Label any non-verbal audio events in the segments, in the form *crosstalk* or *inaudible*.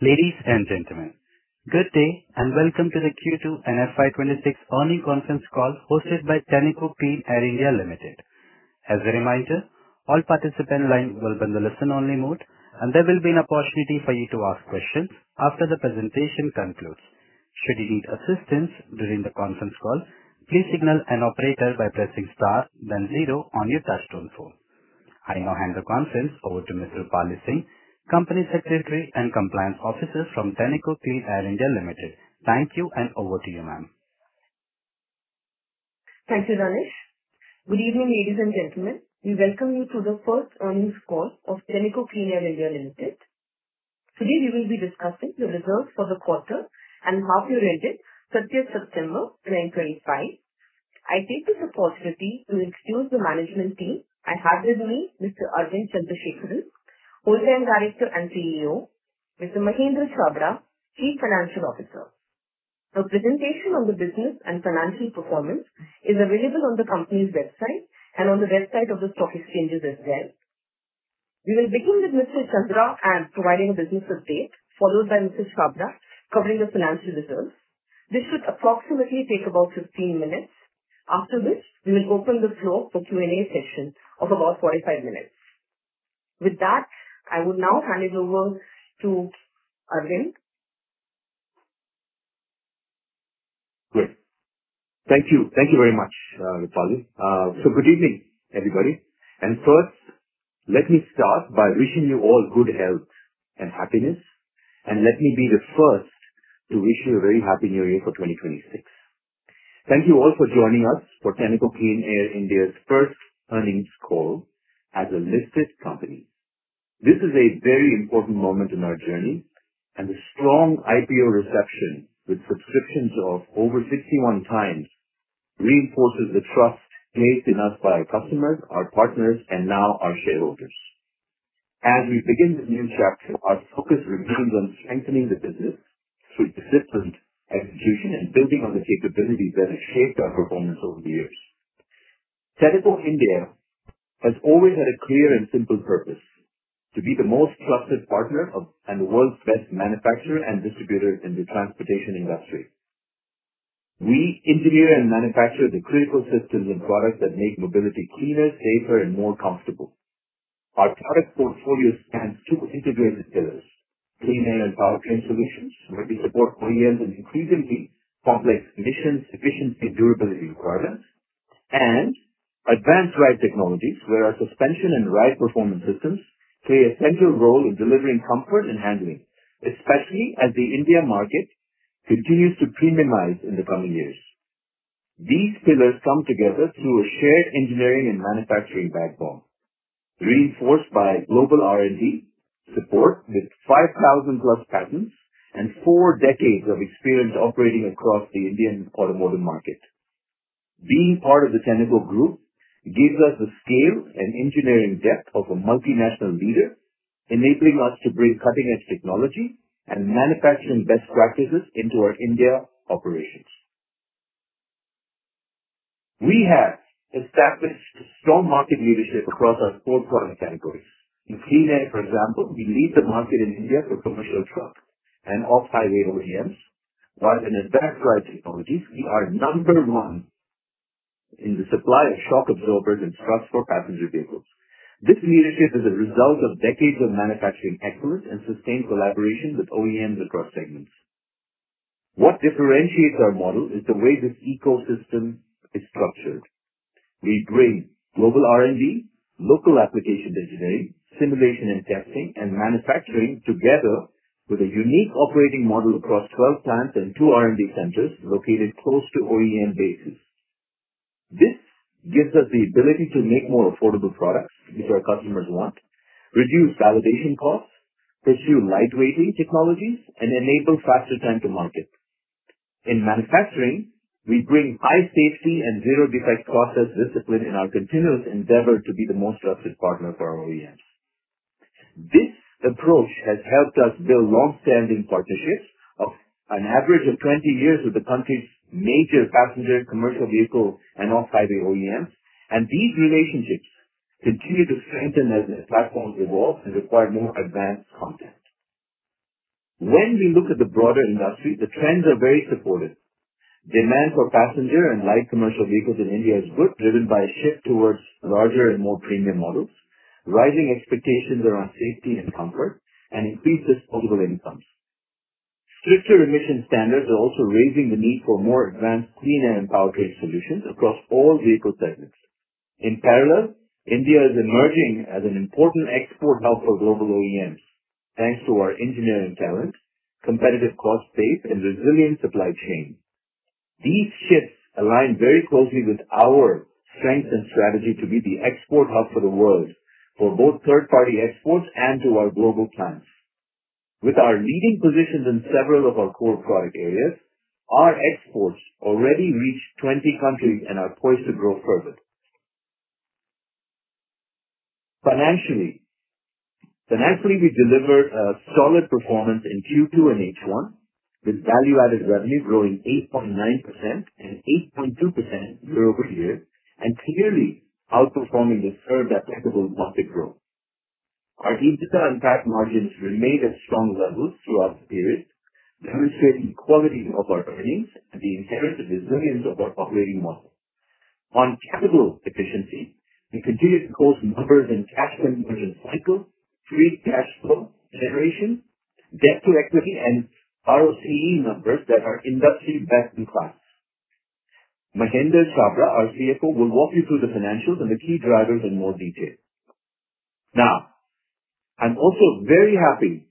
Ladies and gentlemen, good day and welcome to the Q2 FY26 earnings conference call hosted by Tenneco Clean Air India Limited. As a reminder, all participants' lines will be in the listen-only mode, and there will be an opportunity for you to ask questions after the presentation concludes. Should you need assistance during the conference call, please signal an operator by pressing star, then zero on your touch-tone phone. I now hand the conference over to Ms. Roopali Singh, Company Secretary and Compliance Officer from Tenneco Clean Air India Limited. Thank you, and over to you, ma'am. Thank you, Danish. Good evening, ladies and gentlemen. We welcome you to the First Earnings Call of Tenneco Clean Air India Limited. Today, we will be discussing the results for the quarter and half-year ending 30th September 2025. I take this opportunity to introduce the management team. I have with me Mr. Arvind Chandra Managing Director and CEO, Mr. Manavendra Sial, Chief Financial Officer. The presentation on the business and financial performance is available on the company's website and on the website of the stock exchanges as well. We will begin with Mr. Chandra providing a business update, followed by Mr. Sial covering the financial results. This should approximately take about 15 minutes, after which we will open the floor for a Q&A session of about 45 minutes. With that, I will now hand it over to Arvind. Great. Thank you. Thank you very much, Roopali. Good evening, everybody. First, let me start by wishing you all good health and happiness, and let me be the first to wish you a very happy New Year for 2026. Thank you all for joining us for Tenneco Clean Air India's First Earnings Call as a listed company. This is a very important moment in our journey, and the strong IPO reception with subscriptions of over 61 times reinforces the trust placed in us by our customers, our partners, and now our shareholders. As we begin this new chapter, our focus remains on strengthening the business through disciplined execution and building on the capabilities that have shaped our performance over the years. Tenneco India has always had a clear and simple purpose: to be the most trusted partner and the world's best manufacturer and distributor in the transportation industry. We engineer and manufacture the critical systems and products that make mobility cleaner, safer, and more comfortable. Our product portfolio spans two integrated pillars: clean air and powertrain solutions, where we support high-end and increasingly complex emissions, efficiency, and durability requirements, and Advanced Ride Technologies, where our suspension and ride performance systems play a central role in delivering comfort and handling, especially as the India market continues to premiumize in the coming years. These pillars come together through a shared engineering and manufacturing backbone, reinforced by Global R&D support with 5,000+ patents and four decades of experience operating across the Indian automotive market. Being part of the Tenneco Group gives us the scale and engineering depth of a multinational leader, enabling us to bring cutting-edge technology and manufacturing best practices into our India operations. We have established strong market leadership across our four product categories. In Clean Air for example, we lead the market in India for commercial trucks and off-highway OEMs, while in Advanced Ride Technologies, we are number one in the supply of shock absorbers and struts for passenger vehicles. This leadership is a result of decades of manufacturing excellence and sustained collaboration with OEMs across segments. What differentiates our model is the way this ecosystem is structured. We bring global R&D, local application engineering, simulation and testing, and manufacturing together with a unique operating model across 12 plants and two R&D centers located close to OEM bases. This gives us the ability to make more affordable products, which our customers want, reduce validation costs, pursue lightweighting technologies, and enable faster time to market. In manufacturing, we bring high safety and zero-defect process discipline in our continuous endeavor to be the most trusted partner for our OEMs. This approach has helped us build long-standing partnerships of an average of 20 years with the country's major passenger commercial vehicle and off-highway OEMs, and these relationships continue to strengthen as the platforms evolve and require more advanced content. When we look at the broader industry, the trends are very supportive. Demand for passenger and light commercial vehicles in India is good, driven by a shift towards larger and more premium models, rising expectations around safety and comfort, and increased disposable incomes. Stricter emission standards are also raising the need for more advanced clean air and powertrain solutions across all vehicle segments. In parallel, India is emerging as an important export hub for global OEMs, thanks to our engineering talent, competitive cost base, and resilient supply chain. These shifts align very closely with our strength and strategy to be the export hub for the world for both third-party exports and to our global plants. With our leading positions in several of our core product areas, our exports already reach 20 countries and are poised to grow further. Financially, we delivered solid performance in Q2 and H1, with value-added revenue growing 8.9% and 8.2% year-over-year, and clearly outperforming the Served Applicable Market growth. Our EBITDA and PAT margins remained at strong levels throughout the period, demonstrating the quality of our earnings and the inherent resilience of our operating model. On capital efficiency, we continue to post numbers in cash conversion cycle, free cash flow generation, debt to equity, and ROCE numbers that are industry best in class. Manavedra Sial, our CFO, will walk you through the financials and the key drivers in more detail. Now, I'm also very happy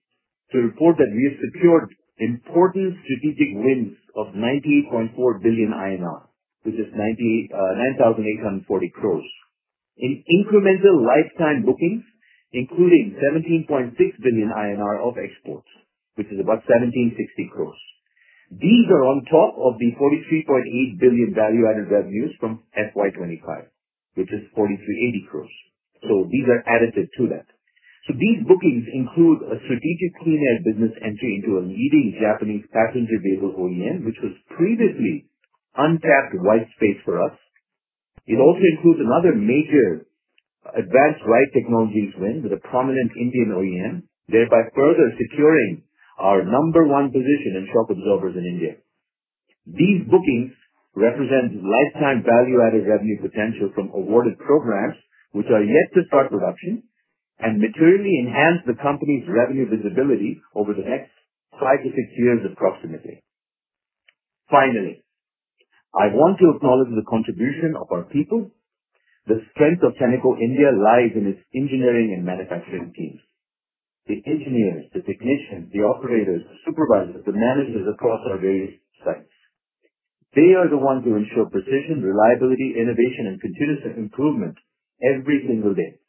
to report that we have secured important strategic wins of 98.4 billion INR, which is 9,840 crores, in incremental lifetime bookings, including 17.6 billion INR of exports, which is about 1,760 crores. These are on top of the 43.8 billion value-added revenues from FY25, which is 4,380 crores. So these are additive to that. So these bookings include a strategic clean air business entry into a leading Japanese passenger vehicle OEM, which was previously untapped white space for us. It also includes another major Advanced Ride Technologies win with a prominent Indian OEM, thereby further securing our number one position in shock absorbers in India. These bookings represent lifetime value-added revenue potential from awarded programs which are yet to start production and materially enhance the company's revenue visibility over the next five to six years approximately. Finally, I want to acknowledge the contribution of our people. The strength of Tenneco India lies in its engineering and manufacturing teams. The engineers, the technicians, the operators, the supervisors, the managers across our various sites, they are the ones who ensure precision, reliability, innovation, and continuous improvement every single day.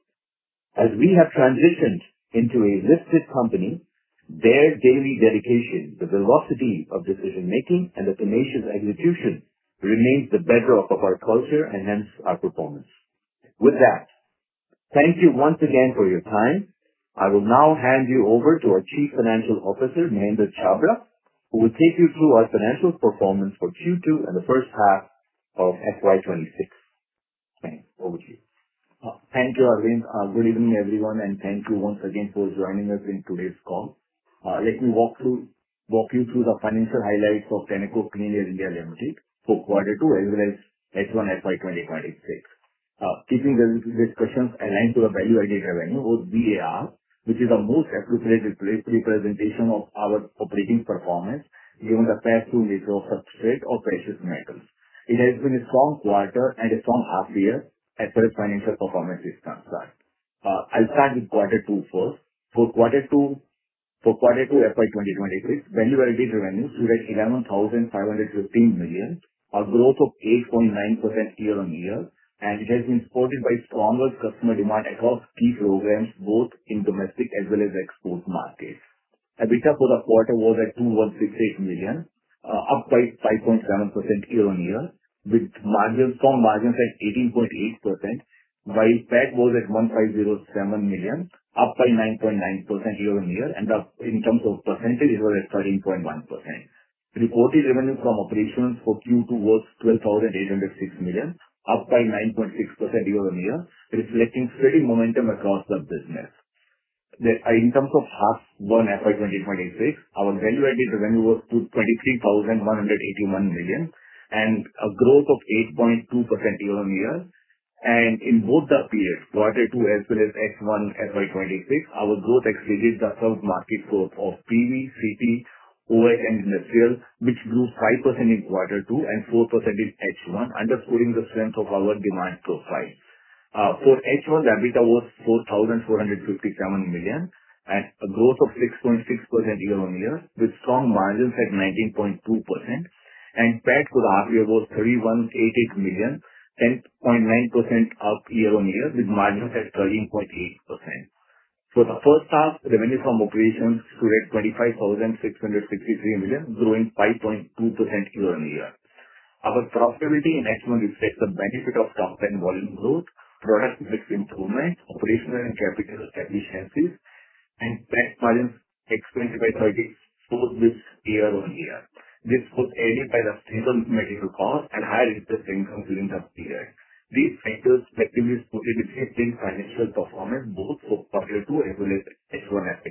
As we have transitioned into a listed company, their daily dedication, the velocity of decision-making, and the tenacious execution remains the bedrock of our culture and hence our performance. With that, thank you once again for your time. I will now hand you over to our Chief Financial Officer, Manavedra Sial, who will take you through our financial performance for Q2 and the first half of FY26. Thanks. Over to you. Thank you, Arvind. Good evening, everyone, and thank you once again for joining us in today's call. Let me walk you through the financial highlights of Tenneco Clean Air India Limited for Q2 as well as H1, FY2026. Keeping the discussions aligned to the value-added revenue, or VAR, which is a most appropriate representation of our operating performance given the past two years of substrate of precious metals. It has been a strong quarter and a strong half-year as far as financial performance is concerned. I'll start with Q2 first. For Q2, FY2026, value-added revenue stood at 11,515 million, a growth of 8.9% year-on-year, and it has been supported by stronger customer demand across key programs, both in domestic as well as export markets. EBITDA for the quarter was at 2,168 million up by 5.7% year-on-year, with strong margins at 18.8%, while PAT was at 1,507 million up by 9.9% year-on-year, and in terms of percentage, it was at 13.1%. Reported revenue from operations for Q2 was 12,806 million, up by 9.6% year-on-year, reflecting steady momentum across the business. In terms of half-year FY2026, our value-added revenue was 23,181 million, and a growth of 8.2% year-on-year, and in both the periods, Q2 as well as H1, FY26, our growth exceeded the sales market growth of PV, CT, OS, and industrial, which grew 5% in Q2 and 4% in H1 underscoring the strength of our demand profile. For H1, the EBITDA was 4,457 million, a growth of 6.6% year-on-year, with strong margins at 19.2%, and PAT for the half-year was 3,188 million, 10.9% up year-on-year, with margins at 13.8%. For the first half, revenue from operations stood at 25,663 million, growing 5.2% year-on-year. Our profitability in H1 reflects the benefit of top-end volume growth, product mix improvement, operational and capital efficiencies, and PAT margins expanded by 34 basis points year-on-year. This was aided by the stable material costs and higher interest income during the period. These factors effectively supported the excellent financial performance both for Q2 as well as H1, FY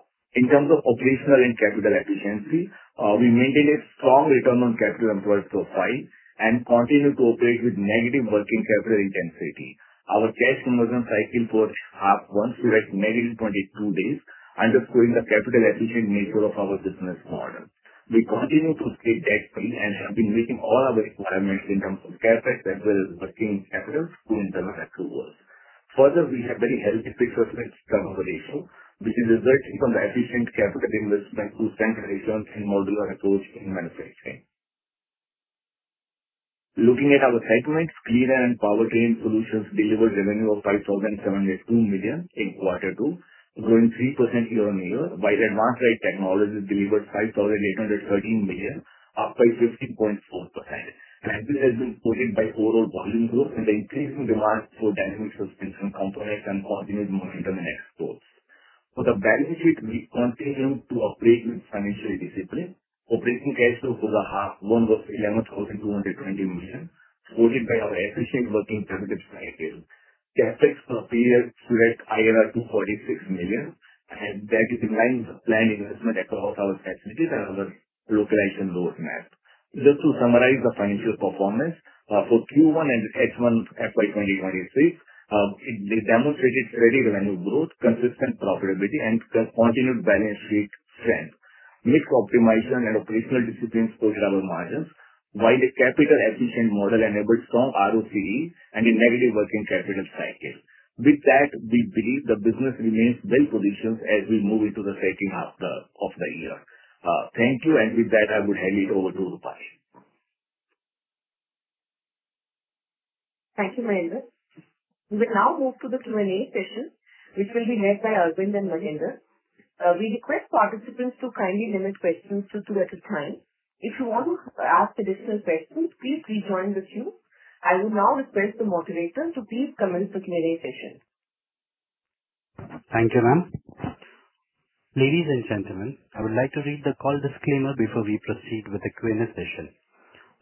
2026. In terms of operational and capital efficiency, we maintained a strong return on capital employed profile and continued to operate with negative working capital intensity. Our cash conversion cycle for half-year stood at negative 22 days, underscoring the capital-efficient nature of our business model. We continue to stay debt-free and have been meeting all our requirements in terms of CapEx as well as working capital to interest accruals. Further, we have very healthy fixed asset turnover ratio, which is resulting from the efficient capital investment through centralization and modular approach in manufacturing. Looking at our segments, clean air and powertrain solutions delivered revenue of 5,702 million in Q2, growing 3% year-on-year, while advanced ride technology delivered 5,813 million up by 15.4%, and this has been supported by overall volume growth and the increasing demand for dynamic suspension components and continuous momentum in exports. For the balance sheet, we continue to operate with financial discipline. Operating cash flow for the half-year was 11,220 million, supported by our efficient working capital cycle. CapEx per period stood at 246 million, and that is in line with the planned investment across our facilities and our localized roadmap. Just to summarize the financial performance, for Q1 and H1, FY2026, it demonstrated steady revenue growth, consistent profitability, and continued balance sheet strength. Margin optimization and operational discipline supported our margins, while the capital-efficient model enabled strong ROCE and a negative working capital cycle. With that, we believe the business remains well-positioned as we move into the second half of the year. Thank you, and with that, I would hand it over to Roopali. Thank you, Manavendra. We will now move to the Q&A session, which will be led by Arvind and Manavendra. We request participants to kindly limit questions to two at a time. If you want to ask additional questions, please rejoin the queue. I will now request the moderator to please commence the Q&A session. Thank you, ma'am. Ladies and gentlemen, I would like to read the call disclaimer before we proceed with the Q&A session.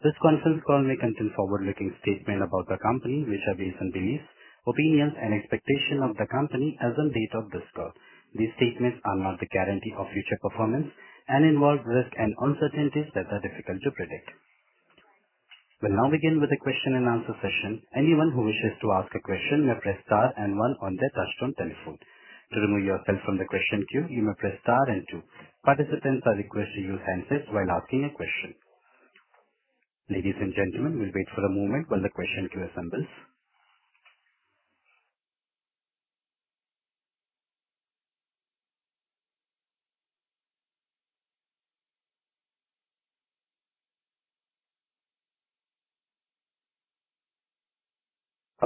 This conference call may contain forward-looking statements about the company, which are based on beliefs, opinions, and expectations of the company as of the date of this call. These statements are not a guarantee of future performance and involve risks and uncertainties that are difficult to predict. We'll now begin with the question-and-answer session. Anyone who wishes to ask a question may press star and one on their touch-tone telephone. To remove yourself from the question queue, you may press star and two. Participants are requested to use handsets while asking a question. Ladies and gentlemen, we'll wait for a moment while the question queue assembles.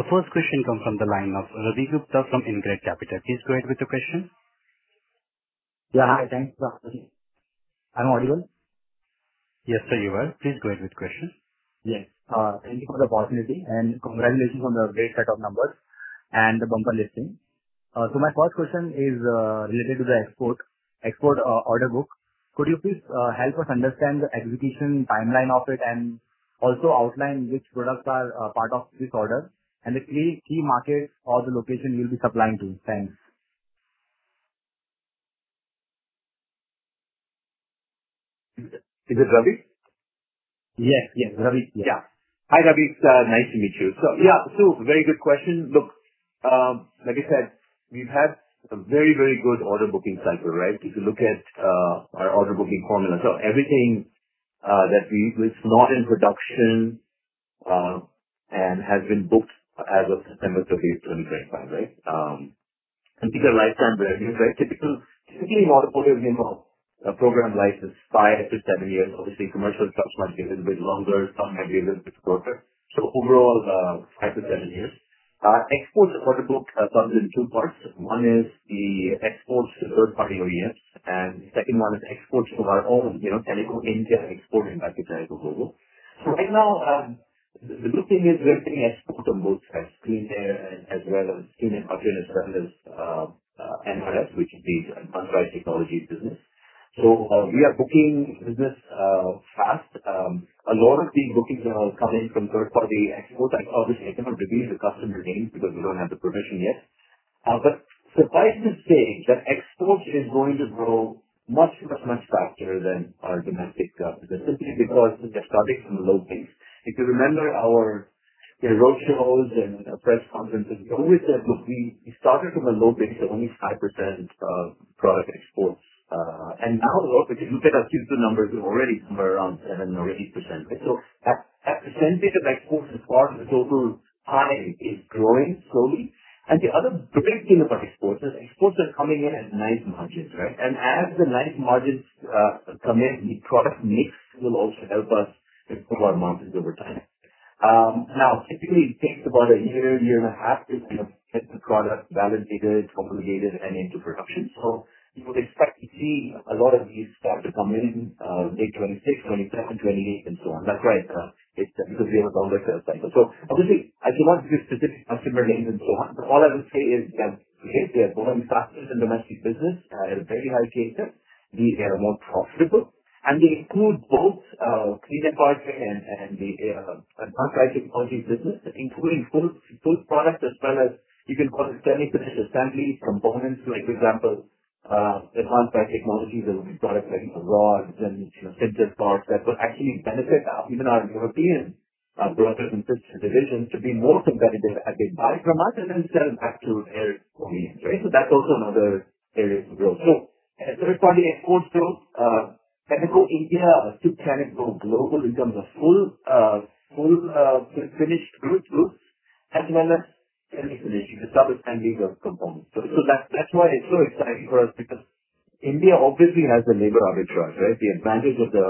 Our first question comes from the line of Ravi Gupta from InCred Capital. Please go ahead with the question. Yeah, hi. Thanks for asking. I'm audible? Yes, sir, you are. Please go ahead with the question. Yes. Thank you for the opportunity, and congratulations on the great set of numbers and the bumper listing. So my first question is related to the export order book. Could you please help us understand the execution timeline of it and also outline which products are part of this order and the key markets or the location you'll be supplying to? Thanks. Is it Ravi? Yes, yes. Ravi, yeah. Yeah. Hi, Ravi. It's nice to meet you. So yeah, Sue, very good question. Look, like I said, we've had a very, very good order booking cycle, right? If you look at our order booking formula, so everything that we've—it's not in production and has been booked as of September 30th, 2025, right? And think of lifetime revenue, right? Typically, in automotive, you know, a program life is five to seven years. Obviously, commercial trucks might be a little bit longer, some might be a little bit shorter. So overall, five to seven years. Exports of order book comes in two parts. One is the exports to third-party OEMs, and the second one is exports to our own Tenneco India export and back to Tenneco Global. So right now, the good thing is we're getting export on both sides, clean air as well as powertrain as well as ARS, which is the advanced ride technology business. So we are booking business fast. A lot of these bookings are coming from third-party exports. I obviously cannot reveal the customer names because we don't have the permission yet. But suffice to say that exports is going to grow much, much, much faster than our domestic business simply because we are starting from the low base. If you remember our roadshows and press conferences, we always said, "Look, we started from a low base, only 5% product exports." And now, if you look at our Q2 numbers, we're already somewhere around 7% or 8%, right? So that percentage of exports as part of the total pie is growing slowly. The other great thing about exports is exports are coming in at nice margins, right? And as the nice margins come in, the product mix will also help us improve our margins over time. Now, typically, it takes about a year, year and a half to kind of get the product validated, obligated, and into production. So you would expect to see a lot of these start to come in late 2026, 2027, 2028, and so on. That's why it's because we have a longer sales cycle. So obviously, I cannot give specific customer names and so on, but all I will say is that they are growing faster than domestic business at a very high cadence. These are more profitable, and they include both clean air product and the advanced ride technology business, including full product as well as you can call it semi-finished assembly components. For example, Advanced Ride Technologies that will be product like rods and sensor parts that will actually benefit even our European brokers and sister divisions to be more competitive as they buy from us and then sell back to their OEMs, right? So that's also another area to grow. So third-party exports growth. Tenneco India to Tenneco Global in terms of full finished goods as well as semi-finished, the sub-assembly components. So that's why it's so exciting for us because India obviously has the labor arbitrage, right? The advantage of the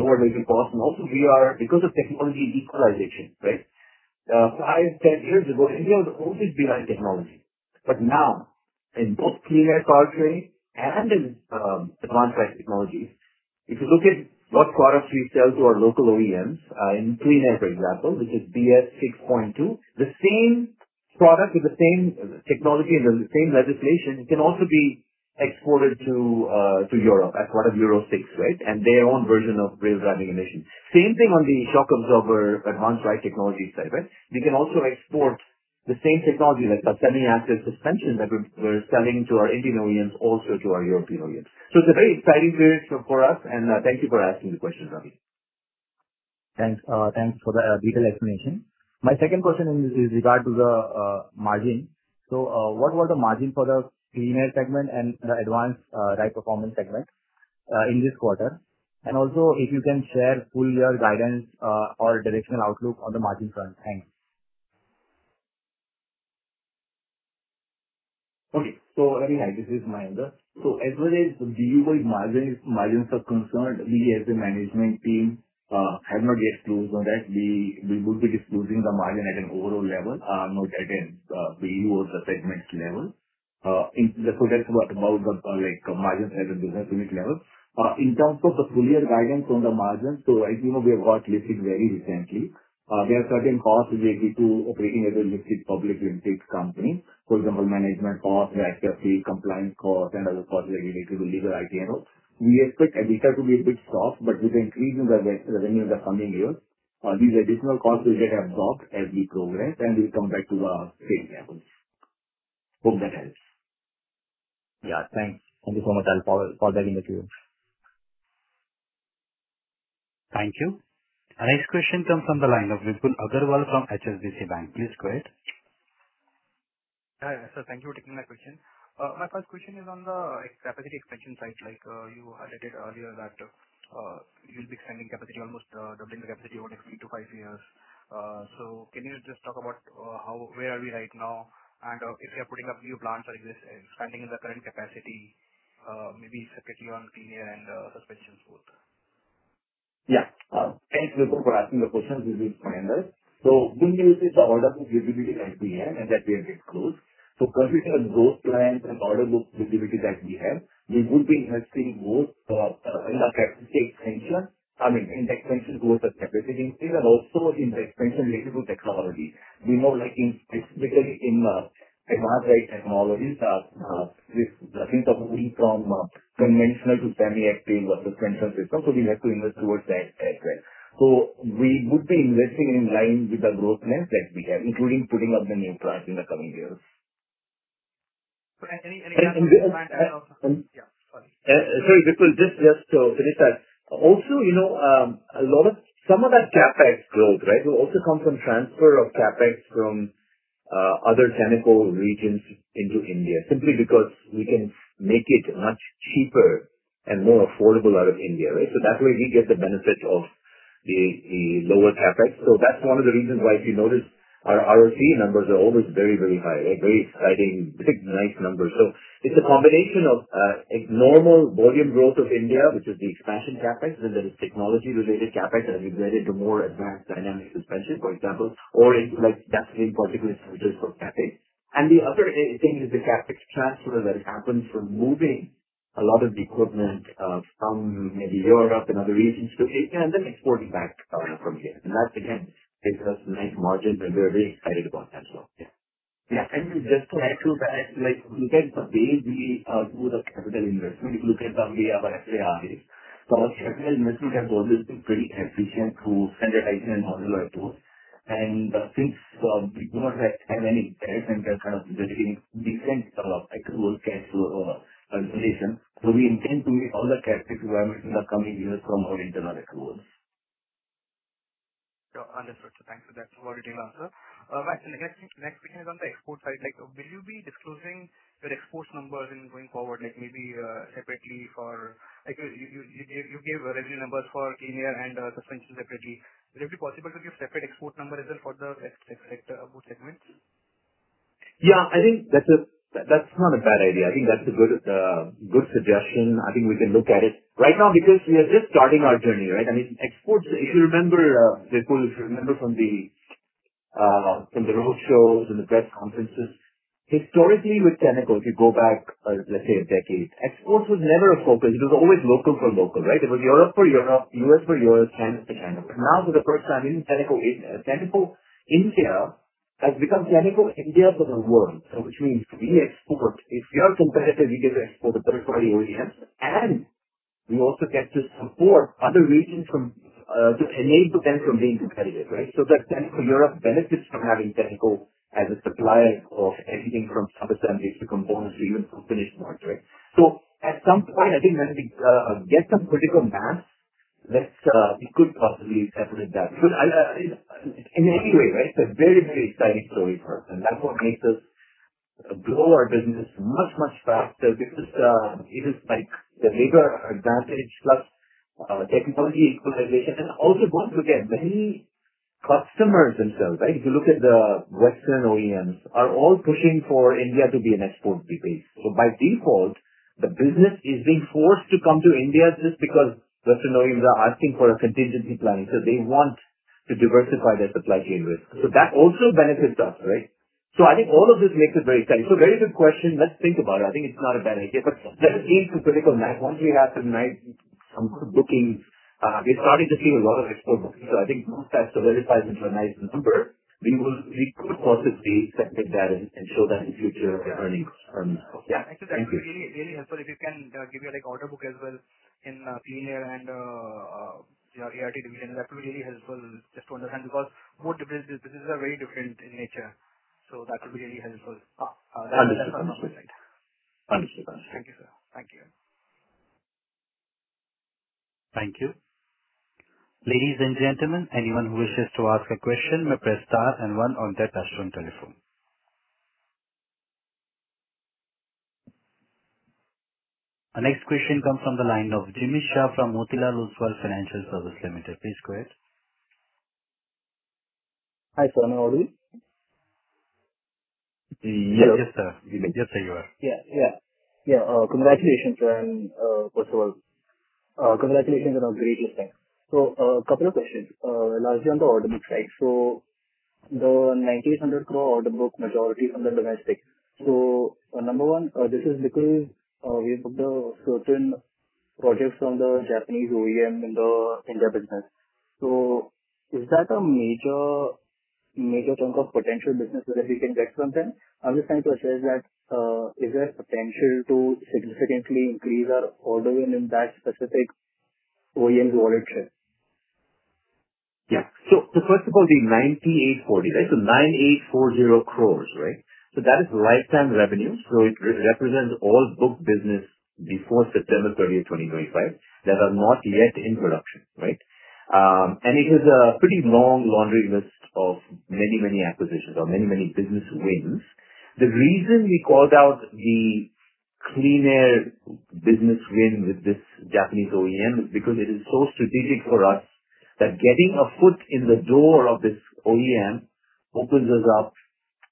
lower labor costs and also, we are, because of technology equalization, right? Five, ten years ago, India was always behind technology. But now, in both clean air powertrain and in Advanced Ride Technologies, if you look at what products we sell to our local OEMs in clean air, for example, which is BS 6.2, the same product with the same technology and the same legislation can also be exported to Europe as part of Euro 6, right? And their own version of real driving emissions. Same thing on the shock absorber advanced ride technology side, right? We can also export the same technology like a semi-active suspension that we're selling to our Indian OEMs, also to our European OEMs. So it's a very exciting period for us, and thank you for asking the question, Ravi. Thanks for the detailed explanation. My second question is with regard to the margin. So what was the margin for the clean air segment and the advanced ride performance segment in this quarter? And also, if you can share full year guidance or directional outlook on the margin front? Thanks. Okay. So very high. This is Mahendra. So as far as BU margins are concerned, we as the management team have not yet closed on that. We will be disclosing the margin at an overall level, not at a BU or the segment level. So that's about the margins at the business unit level. In terms of the full year guidance on the margins, so as you know, we have got listed very recently. There are certain costs related to operating as a listed public limited company. For example, management costs, taxes, fees, compliance costs, and other costs related to legal IT and all. We expect EBITDA to be a bit soft, but with the increase in the revenues that are coming here, these additional costs will get absorbed as we progress, and we'll come back to the same levels. Hope that helps. Yeah, thanks. Thank you so much, Al, for that interview. Thank you. Our next question comes from the line of Vipul Agrawal from HSBC Bank. Please go ahead. Hi, sir. Thank you for taking my question. My first question is on the capacity expansion side. Like you highlighted earlier, that you'll be extending capacity, almost doubling the capacity over the next three to five years. So can you just talk about where are we right now? And if you're putting up new plants or expanding in the current capacity, maybe separately on clean air and suspensions both? Yeah. Thanks, Vipul, for asking the question. This is Mahendra. So we'll be using the order book visibility that we have, and that we have exposed. So considering those plants and order book visibility that we have, we would be investing both in the capacity extension, I mean, in the extension towards the capacity increase and also in the extension related to technology. We know, specifically in Advanced Ride Technologies, the things are moving from conventional to semi-active suspension systems. So we have to invest towards that as well. So we would be investing in line with the growth plans that we have, including putting up the new plants in the coming years. Sorry, *crosstalk* Vipul, just to finish that. Also, a lot of some of that CapEx growth, right, will also come from transfer of CapEx from other chemical regions into India simply because we can make it much cheaper and more affordable out of India, right? So that way, we get the benefit of the lower CapEx. So that's one of the reasons why if you notice, our ROCE numbers are always very, very high, right? Very exciting, big, nice numbers. So it's a combination of normal volume growth of India, which is the expansion CapEx, and then it's technology-related CapEx that is related to more advanced dynamic suspension, for example, or in that same particular sectors for CapEx. And the other thing is the CapEx transfer that happens from moving a lot of the equipment from maybe Europe and other regions to Asia and then exporting back from here. That, again, gives us nice margins, and we're very excited about that as well. Yeah. Yeah. Just to add to that, if you look at the way we do the capital investment, if you look at some of our SIRs, our capital investment has always been pretty efficient through standardization and modular tools. Since we do not have any direct and kind of basically decent accrual cash for calculation, so we intend to meet all the CapEx requirements in the coming years from our internal accruals. Understood. Thanks for that over-detailed answer. Maxine, next question is on the export side. Will you be disclosing your export numbers going forward, maybe separately for, you gave revenue numbers for clean air and suspension separately. Would it be possible to give separate export number as well for both segments? Yeah, I think that's not a bad idea. I think that's a good suggestion. I think we can look at it. Right now, because we are just starting our journey, right? I mean, exports, if you remember, Vipul, if you remember from the roadshows and the press conferences, historically with Tenneco, if you go back, let's say, a decade, exports was never a focus. It was always local for local, right? It was Europe for Europe, U.S. for U.S., China for China. But now, for the first time, even Tenneco India has become Tenneco India for the world, which means we export. If we are competitive, we get to export to third-party OEMs, and we also get to support other regions to enable them from being competitive, right? So that Tenneco Europe benefits from having Tenneco as a supplier of everything from sub-assemblies to components to even full-finished parts, right? So at some point, I think when we get some critical mass, we could possibly separate that. But in any way, right, it's a very, very exciting story for us. And that's what makes us grow our business much, much faster because it is like the labor advantage plus technology equalization. And also, once again, many customers themselves, right? If you look at the Western OEMs, are all pushing for India to be an export base. So by default, the business is being forced to come to India just because Western OEMs are asking for a contingency plan. So they want to diversify their supply chain risk. So that also benefits us, right? So I think all of this makes it very exciting. So very good question. Let's think about it. I think it's not a bad idea. But let's aim for critical mass. Once we have some nice bookings, we're starting to see a lot of export bookings. So I think once that's solidified into a nice number, we could possibly separate that and show that in future earnings. Yeah. Thank you. Thank you. It would be really helpful if you can give your order book as well in clean air and your ERT division. That would be really helpful just to understand because both businesses are very different in nature, so that would be really helpful. Understood. *crosstalk* Thank you, sir. Thank you. Thank you. Ladies and gentlemen, anyone who wishes to ask a question may press star and one on their touchscreen telephone. Our next question comes from the line of Jimmy Shah from Motilal Oswal Financial Services Limited. Please go ahead. Hi, sir. Am I audible? Yes, sir. Yes, sir, you are. Congratulations, sir, and first of all, congratulations on a great listing. So a couple of questions, largely on the order book side. So the 1,900 crore order book, majority from the domestic. So number one, this is because we have booked certain projects from the Japanese OEM in the India business. So is that a major chunk of potential business that we can get from them? I'm just trying to assess that. Is there potential to significantly increase our order in that specific OEM's wallet share? Yeah. So first of all, the 9,840, right? So 9,840 crores, right? So that is lifetime revenue. So it represents all booked business before September 30th, 2025, that are not yet in production, right? And it is a pretty long laundry list of many, many acquisitions or many, many business wins. The reason we called out the clean air business win with this Japanese OEM is because it is so strategic for us that getting a foot in the door of this OEM opens us up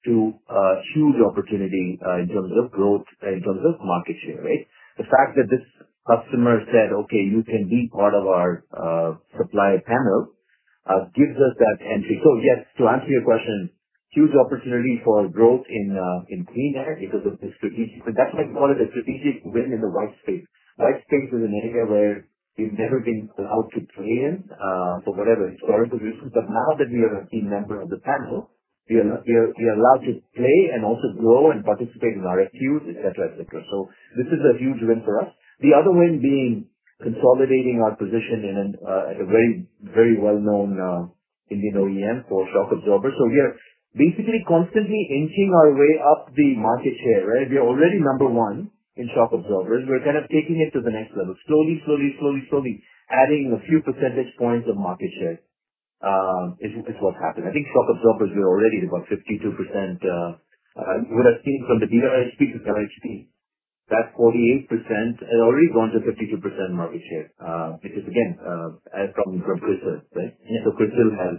to a huge opportunity in terms of growth, in terms of market share, right? The fact that this customer said, "Okay, you can be part of our supply panel," gives us that entry. So yes, to answer your question, huge opportunity for growth in clean air because of the strategic—that's why we call it a strategic win in the white space. White space is an area where we've never been allowed to play in for whatever historical reasons. But now that we are a key member of the panel, we are allowed to play and also grow and participate in RFQs, etc., etc. So this is a huge win for us. The other win being consolidating our position at a very, very well-known Indian OEM for shock absorbers. So we are basically constantly inching our way up the market share, right? We are already number one in shock absorbers. We're kind of taking it to the next level. Slowly, slowly, slowly, slowly adding a few percentage points of market share is what's happened. I think shock absorbers, we're already about 52%. You would have seen from the DRHP to RHP, that's 48%. It's already gone to 52% market share because, again, from CRISIL, right? So CRISIL has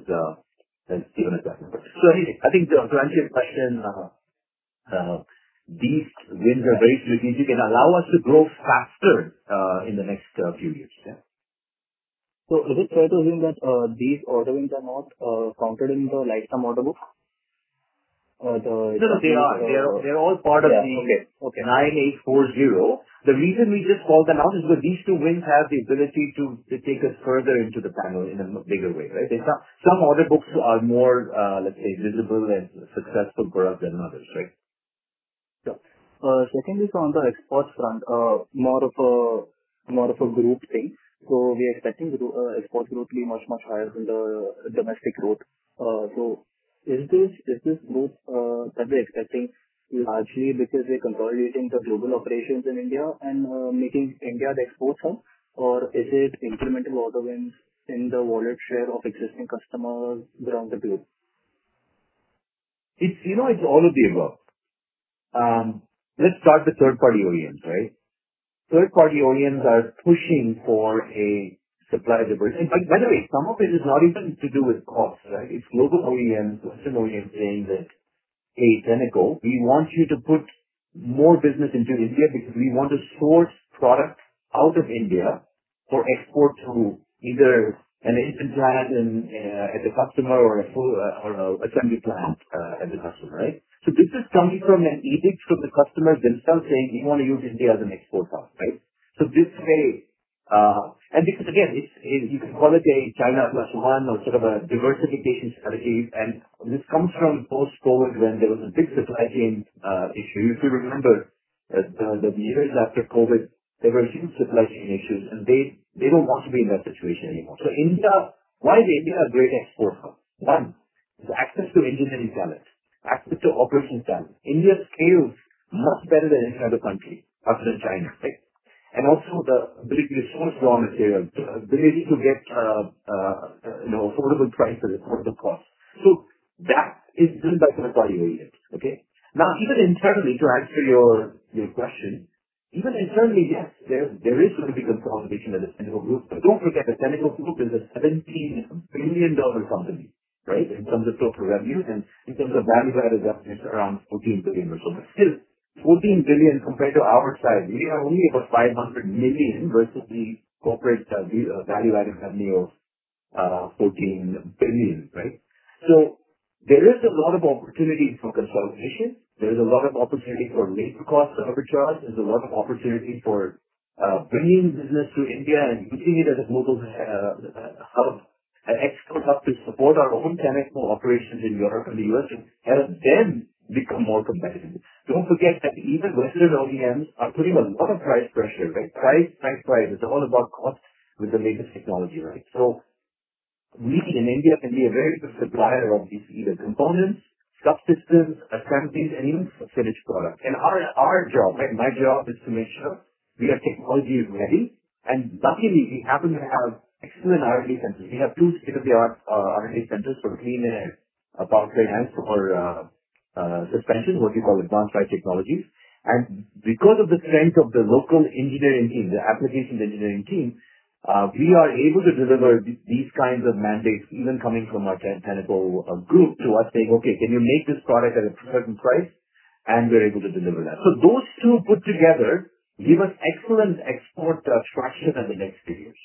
given us that. So anyway, I think to answer your question, these wins are very strategic and allow us to grow faster in the next few years. Yeah. So is it fair to assume that these order wins are not counted in the Lifetime Order Book? No, no, *crosstalk* they are. They're all part of the 9,840. The reason we just called them out is because these two wins have the ability to take us further into the panel in a bigger way, right? Some order books are more, let's say, visible and successful for us than others, right? Yeah. Secondly, so on the exports front, more of a group thing. So we are expecting export growth to be much, much higher than the domestic growth. So is this growth that we're expecting largely because we're consolidating the global operations in India and making India the export hub, or is it incremental order wins in the wallet share of existing customers around the globe? It's all of the above. Let's start with third-party OEMs, right? Third-party OEMs are pushing for a supply diversity. By the way, some of it is not even to do with cost, right? It's global OEMs, Western OEMs saying that, "Hey, Tenneco, we want you to put more business into India because we want to source product out of India for export through either an engine plant at the customer or an assembly plant at the customer," right? So this is coming from an edict from the customers themselves saying, "We want to use India as an export hub," right? So this way, and because, again, you can call it a China plus one or sort of a diversification strategy. And this comes from post-COVID when there was a big supply chain issue. If you remember, the years after COVID, there were huge supply chain issues, and they don't want to be in that situation anymore. So why is India a great export hub? One, it's access to engineering talent, access to operations talent. India scales much better than any other country other than China, right? And also the ability to source raw material, the ability to get affordable prices, affordable costs. So that is driven by third-party OEMs, okay? Now, even internally, to answer your question, even internally, yes, there is going to be consolidation of the Tenneco Group. But don't forget, the Tenneco Group is a $17 billion company, right, in terms of total revenue, and in terms of value-added revenue, it's around $14 billion or so. But still, $14 billion compared to our side, we are only about $500 million versus the corporate value-added revenue of $14 billion, right? So there is a lot of opportunity for consolidation. There is a lot of opportunity for labor costs, arbitrage. There's a lot of opportunity for bringing business to India and using it as a global hub, an export hub to support our own Tenneco operations in Europe and the U.S. to help them become more competitive. Don't forget that even Western OEMs are putting a lot of price pressure, right? Price, price, price. It's all about cost with the latest technology, right? So we in India can be a very good supplier of these either components, subsystems, assemblies, and even finished products. And our job, right, my job is to make sure we are technology-ready. And luckily, we happen to have excellent R&D centers. We have two state-of-the-art R&D centers for clean air, powertrain or suspensions, what we call Advanced Ride Technologies. Because of the strength of the local engineering team, the application engineering team, we are able to deliver these kinds of mandates, even coming from our Tenneco Group to us saying, "Okay, can you make this product at a certain price?" We're able to deliver that. Those two put together give us excellent export traction in the next few years.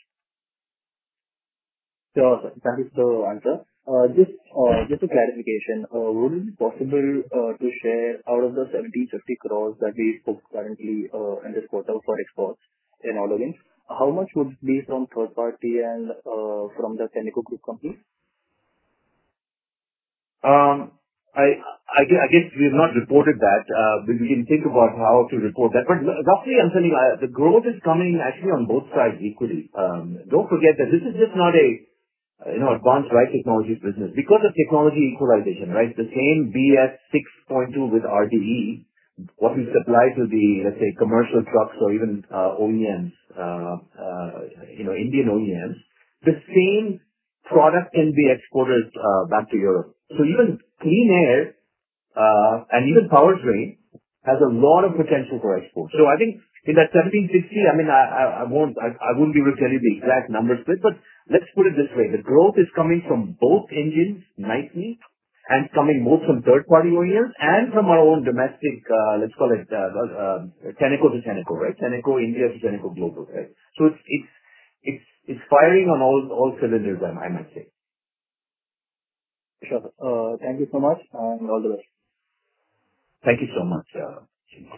That is the answer. Just a clarification. Would it be possible to share out of the 1,750 crores that we booked currently in this quarter for exports and order wins? How much would it be from third-party and from the Tenneco Group company? I guess we have not reported that. We didn't think about how to report that. But roughly, I'm telling you, the growth is coming actually on both sides equally. Don't forget that this is just not an advanced-type technology business. Because of technology equalization, right, the same BS 6.2 with RDE, what we supply to the, let's say, commercial trucks or even OEMs, Indian OEMs, the same product can be exported back to Europe. So even clean air and even powertrain has a lot of potential for export. So I think in that 1,760, I mean, I wouldn't be able to tell you the exact numbers for it. But let's put it this way. The growth is coming from both engines nicely and coming both from third-party OEMs and from our own domestic, let's call it Tenneco to Tenneco, right? Tenneco India to Tenneco Global, right? It's firing on all cylinders, I might say. Sure. Thank you so much, and all the best. Thank you so much, Jimmy.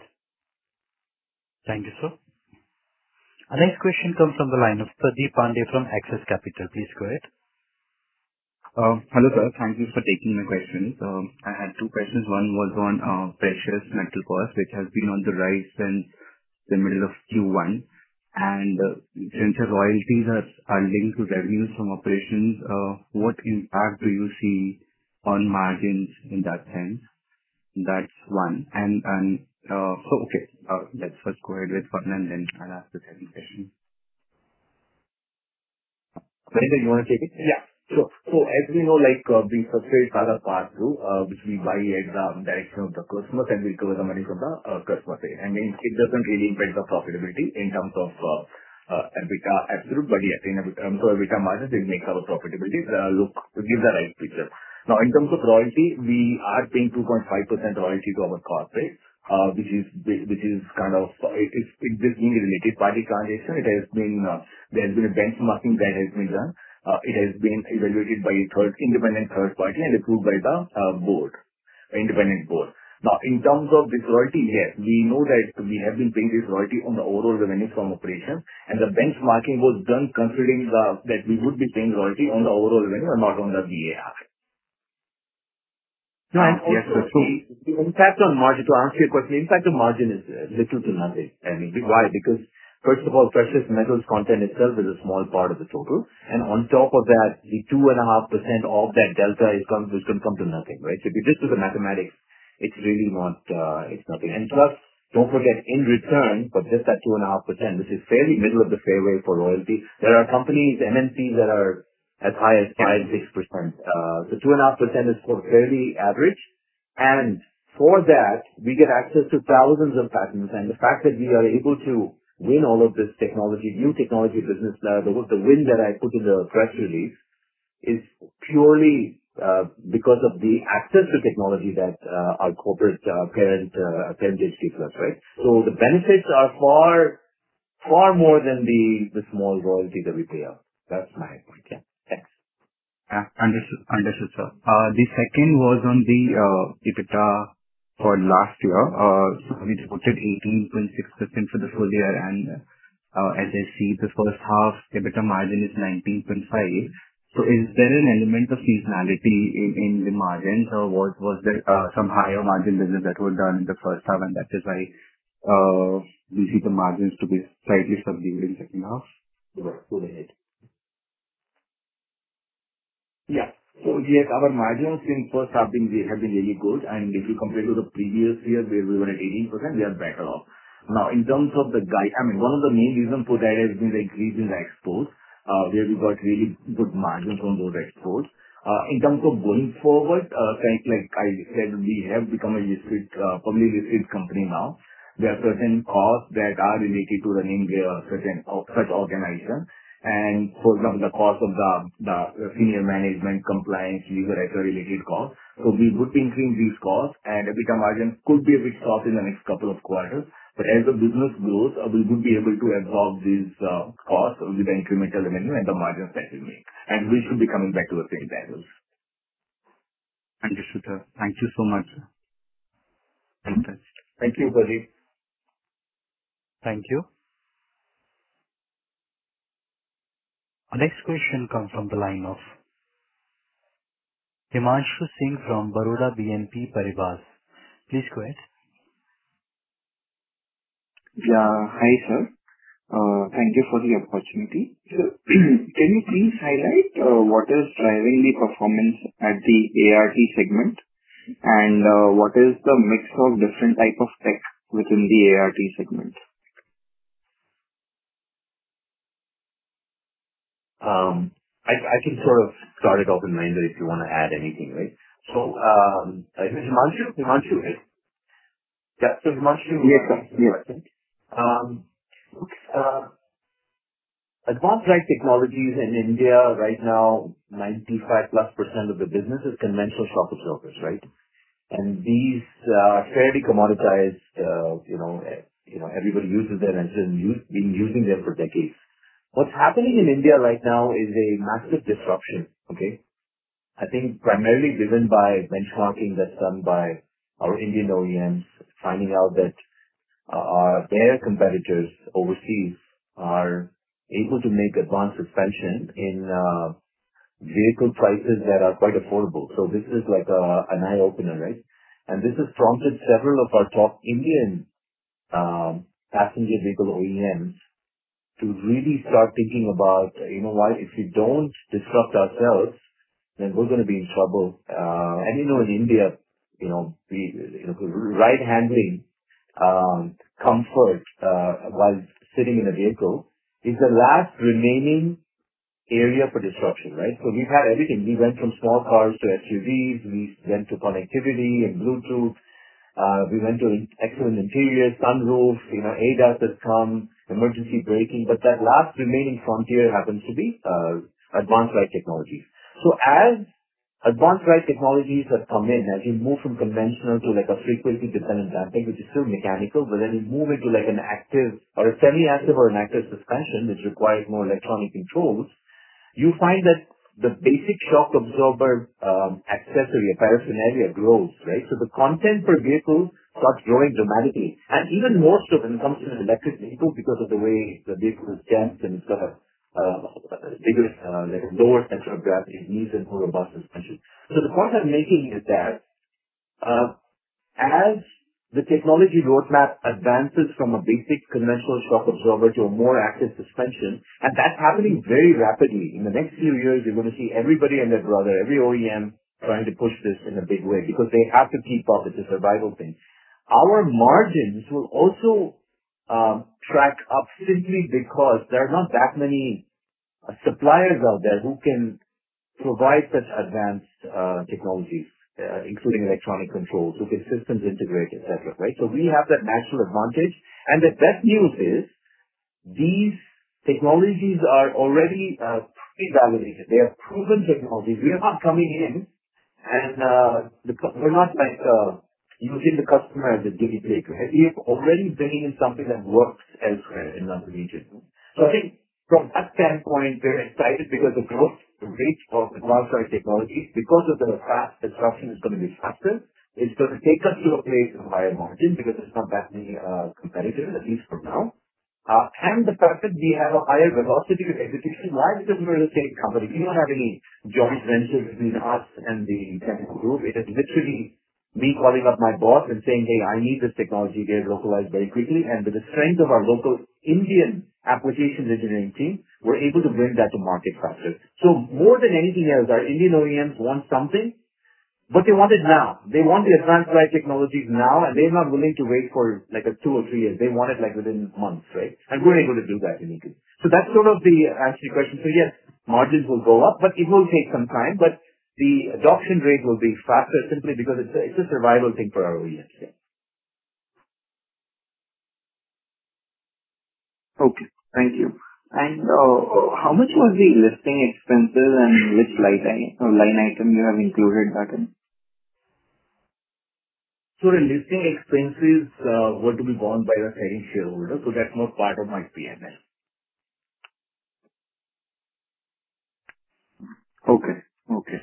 Thank you, sir. Our next question comes from the line of Pradip Pandey from Axis Capital. Please go ahead. Hello, sir. Thank you for taking my question. I had two questions. One was on precious metal parts, which has been on the rise since the middle of Q1, and since the royalties are linked to revenues from operations, what impact do you see on margins in that sense? That's one, and so, okay, let's first go ahead with one and then I'll ask the second question. Arvind, you want to take it? Yeah. Sure. So as we know, being subsidized by the parts too, which we buy at the direction of the customer, then we recover the money from the customer pay. I mean, it doesn't really impact the profitability in terms of EBITDA absolute, but yes, in terms of EBITDA margins, it makes our profitability look, give the right picture. Now, in terms of royalty, we are paying 2.5% royalty to our corporate, which is kind of a related party transaction. There has been a benchmarking that has been done. It has been evaluated by an independent third party and approved by the board, independent board. Now, in terms of this royalty, yes, we know that we have been paying this royalty on the overall revenues from operations, and the benchmarking was done considering that we would be paying royalty on the overall revenue and not on the VAR. No, and. Yes, sir. *crosstalk* So the impact on margin, to answer your question, the impact on margin is little to nothing. I mean, why? Because first of all, precious metals content itself is a small part of the total. And on top of that, the 2.5% of that delta is going to come to nothing, right? So if you just do the mathematics, it's really not nothing. And plus, don't forget, in return for just that 2.5%, which is fairly middle of the fairway for royalty, there are companies, MNCs, that are as high as 5%-6%. So 2.5% is fairly average. And for that, we get access to thousands of patents. And the fact that we are able to win all of this technology, new technology business, the win that I put in the press release is purely because of the access to technology that our corporate parent HD plus right? So the benefits are far more than the small royalty that we pay out. That's my point. Yeah. Thanks. Yeah. Understood, sir. The second was on the EBITDA for last year. We reported 18.6% for the full year, and as I see, the first half EBITDA margin is 19.5%. So, is there an element of seasonality in the margins? Or was there some higher margin business that was done in the first half, and that is why we see the margins to be slightly subdued in the second half? Go ahead Yes. So yes, our margins in the first half have been really good. And if you compare it to the previous year where we were at 18%, we are better off. Now, in terms of the guide, I mean, one of the main reasons for that has been the increase in the exports where we got really good margins on those exports. In terms of going forward, like I said, we have become a publicly listed company now. There are certain costs that are related to running such organizations. And for example, the cost of the senior management, compliance, legal record-related costs. So we would increase these costs, and EBITDA margins could be a bit soft in the next couple of quarters. But as the business grows, we would be able to absorb these costs with the incremental revenue and the margins that we make. We should be coming back to the same levels. Understood, sir. Thank you so much, sir. Fantastic. Thank you, Pradip. Thank you. Our next question comes from the line of Himanshu Singh from Baroda BNP Paribas. Please go ahead. Yeah. Hi, sir. Thank you for the opportunity. So can you please highlight what is driving the performance at the ART segment, and what is the mix of different types of tech within the ART segment? I can sort of start it off in line that if you want to add anything, right? So Himanshu, Himanshu, right? Yeah. So Himanshu. Yes, sir. [do you agree] Advanced-type technologies in India right now, 95+% of the business is conventional shock absorbers, right? And these are fairly commoditized. Everybody uses them and has been using them for decades. What's happening in India right now is a massive disruption, okay? I think primarily driven by benchmarking that's done by our Indian OEMs, finding out that their competitors overseas are able to make advanced suspension in vehicle prices that are quite affordable. So this is like an eye-opener, right? And this has prompted several of our top Indian passenger vehicle OEMs to really start thinking about, "You know what? If we don't disrupt ourselves, then we're going to be in trouble." And you know in India, ride and handling comfort while sitting in a vehicle is the last remaining area for disruption, right? So we've had everything. We went from small cars to SUVs. We went to connectivity and Bluetooth. We went to excellent interiors, sunroofs, ADAS has come, emergency braking. But that last remaining frontier happens to be Advanced Ride Technologies. So as Advanced Ride Technologies have come in, as you move from conventional to a frequency-dependent damping, which is still mechanical, but then you move into an active or a semi-active or an active suspension which requires more electronic controls, you find that the basic shock absorber accessory, an apparent area, grows, right? So the content per vehicle starts growing dramatically. And even more so when it comes to an electric vehicle because of the way the vehicle is damped and it's got a bigger, lower center of gravity, needs a more robust suspension. So the point I'm making is that as the technology roadmap advances from a basic conventional shock absorber to a more active suspension, and that's happening very rapidly. In the next few years, you're going to see everybody and their brother, every OEM trying to push this in a big way because they have to keep up. It's a survival thing. Our margins will also track up simply because there are not that many suppliers out there who can provide such advanced technologies, including electronic controls, who can systems integrate, etc., right? So we have that national advantage. And the best news is these technologies are already pre-validated. They are proven technologies. We are not coming in, and we're not using the customer as a guinea pig, right? We are already bringing in something that works elsewhere in other regions. So I think from that standpoint, we're excited because the growth rate of advanced-type technologies, because of the fast disruption, is going to be faster. It's going to take us to a place of higher margins because there's not that many competitors, at least for now. And the fact that we have a higher velocity of execution. Why? Because we're the same company. We don't have any joint ventures between us and the Tenneco Group. It is literally me calling up my boss and saying, "Hey, I need this technology here localized very quickly." And with the strength of our local Indian applications engineering team, we're able to bring that to market faster. So more than anything else, our Indian OEMs want something, but they want it now. They want the advanced-type technologies now, and they're not willing to wait for like two or three years. They want it within months, right? And we're able to do that immediately. So that's sort of the answer to your question. So yes, margins will go up, but it will take some time. But the adoption rate will be faster simply because it's a survival thing for our OEMs. Yeah. Okay. Thank you, and how much was the listing expenses and which line item you have included that in? So the listing expenses were to be borne by the selling shareholder. So that's not part of my P&L. Okay.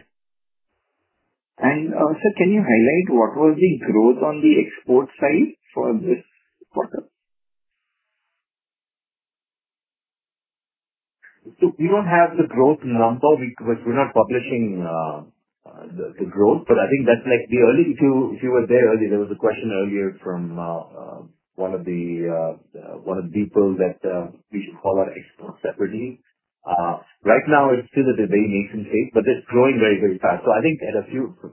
And sir, can you highlight what was the growth on the export side for this quarter? So we don't have the growth number because we're not publishing the growth. But I think that's like the early. If you were there earlier, there was a question earlier from one of the people that we should call our exports separately. Right now, it's still at a very nascent stage, but it's growing very, very fast. So I think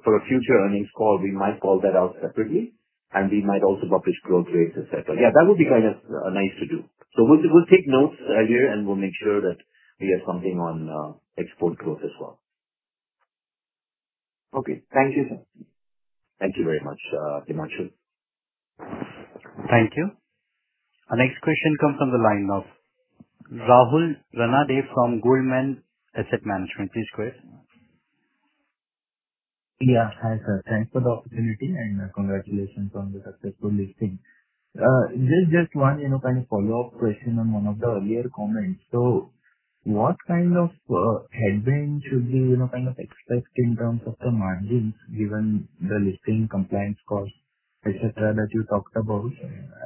for a future earnings call, we might call that out separately, and we might also publish growth rates, etc. Yeah, that would be kind of nice to do. So we'll take notes earlier, and we'll make sure that we have something on export growth as well. Okay. Thank you, sir. Thank you very much, Himanshu. Thank you. Our next question comes from the line of Rahul Ranade from Goldman Sachs Asset Management. Please go ahead. Yeah. Hi, sir. Thanks for the opportunity, and congratulations on the successful listing. Just one kind of follow-up question on one of the earlier comments. So what kind of headwinds should we kind of expect in terms of the margins given the listing compliance costs, etc., that you talked about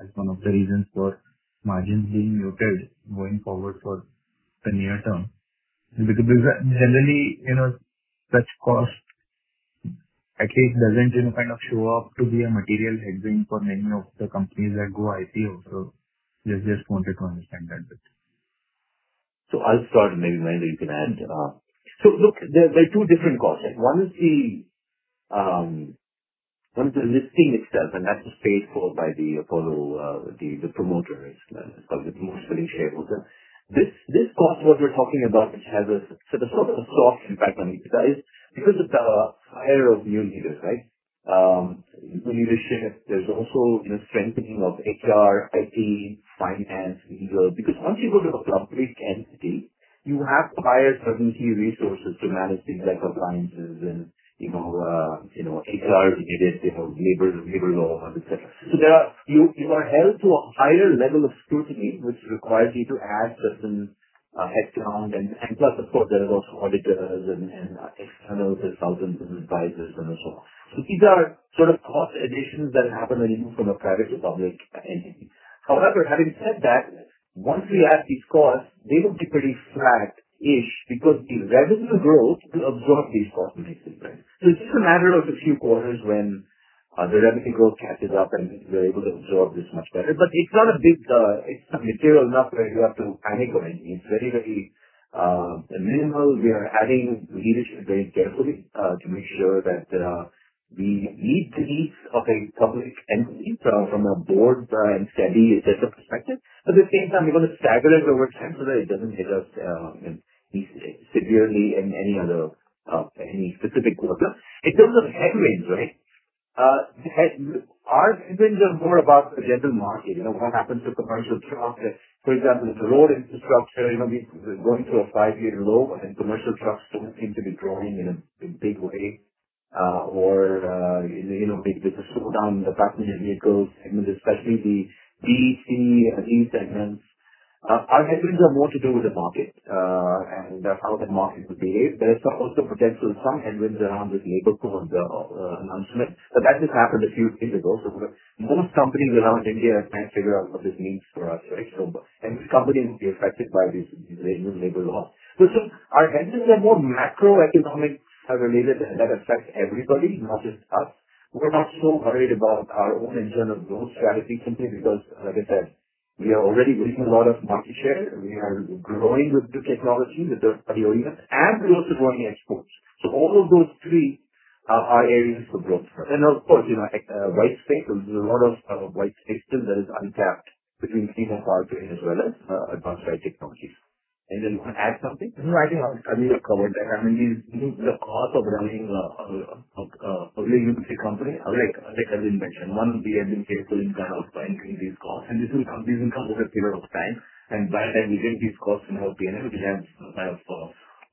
as one of the reasons for margins being muted going forward for the near term? Because generally, such cost, I think, doesn't kind of show up to be a material headwind for many of the companies that go IPO. So just wanted to understand that a bit. So I'll start maybe whenever you can add. So look, there are two different costs. One is the listing itself, and that's paid for by the promoter. It's called the promoter selling shareholder. This cost, what we're talking about, which has a sort of a soft impact on EBITDA, is because of the hire of new leaders, right? New leadership. There's also strengthening of HR, IT, finance, legal. Because once you go to a public entity, you have to hire certain key resources to manage things like compliance and HR-related labor law, etc. So you are held to a higher level of scrutiny, which requires you to add certain headcount. And plus, of course, there are also auditors and external consultants and advisors and so on. So these are sort of cost additions that happen when you move from a private to public entity. However, having said that, once we add these costs, they will be pretty flat-ish because the revenue growth will absorb these costs nicely, right? So it's just a matter of a few quarters when the revenue growth catches up, and we're able to absorb this much better. But it's not a big, it's not material enough where you have to panic or anything. It's very, very minimal. We are adding leadership very carefully to make sure that we meet the needs of a public entity from a board and statutory, etc., perspective. At the same time, we're going to stagger it over time so that it doesn't hit us severely in any specific quarter. In terms of headwinds, right, our headwinds are more about the general market, what happens to commercial trucks. For example, with the road infrastructure, we're going through a five-year low, and commercial trucks don't seem to be growing in a big way. Or there's a slowdown in the passenger vehicles, especially the B, C, and E segments. Our headwinds are more to do with the market and how the market will behave. There is also potential for some headwinds around this labor law announcement, but that just happened a few days ago. So most companies around India can't figure out what this means for us, right? So every company will be affected by these labor laws. So our headwinds are more macroeconomic related that affect everybody, not just us. We're not so worried about our own internal growth strategy simply because, like I said, we are already losing a lot of market share. We are growing with the technology, with the OEMs, and we're also growing exports. So all of those three are areas for growth. And of course, white space, there's a lot of white space still that is untapped between Clean Air as well as Advanced Ride Technologies. Anyone want to add something? No, I think we've covered that. I mean, the cost of running a public limited company, like I mentioned, one, we have been careful in kind of increasing these costs, and these will come over a period of time, and by the time we get these costs in our P&L, we have kind of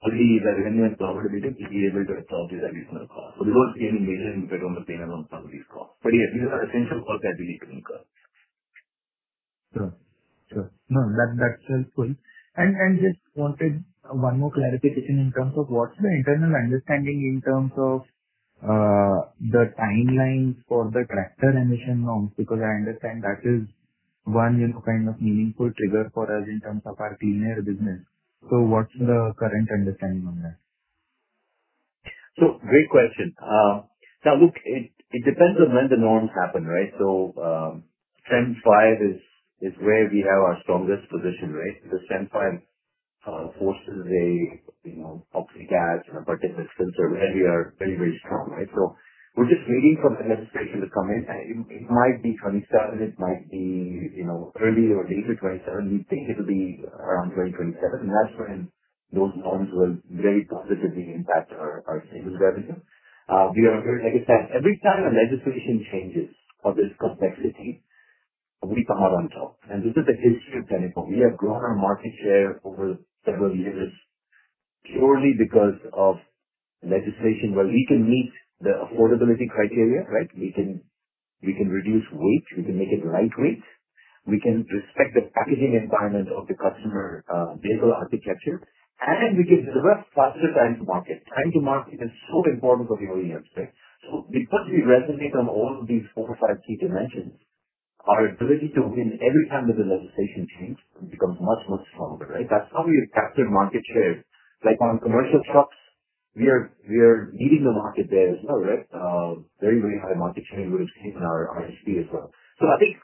only the revenue and profitability to be able to absorb these additional costs, so we don't see any major impact on the P&L on some of these costs, but yes, these are essential costs that we need to incur. Sure. Sure. No, that's helpful. And just wanted one more clarification in terms of what's the internal understanding in terms of the timelines for the tractor emission norms? Because I understand that is one kind of meaningful trigger for us in terms of our clean air business. So what's the current understanding on that? So great question. Now, look, it depends on when the norms happen, right? So TREM V is where we have our strongest position, right? Because TREM V forces an OxyCat and a particulate filter, where we are very, very strong, right? So we're just waiting for the legislation to come in. It might be 2027. It might be early or late in 2027. We think it'll be around 2027. And that's when those norms will very positively impact our sales revenue. Like I said, every time a legislation changes or there's complexity, we come out on top and this is the history of Tenneco. We have grown our market share over several years purely because of legislation where we can meet the affordability criteria, right? We can reduce weight. We can make it lightweight. We can respect the packaging environment of the customer vehicle architecture. And we can deliver faster time to market. Time to market is so important for the OEMs, right? So because we resonate on all of these four or five key dimensions, our ability to win every time that the legislation changes becomes much, much stronger, right? That's how we have captured market share. Like on commercial trucks, we are leading the market there as well, right? Very, very high market share with our SP as well. So I think